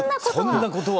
そんなことは！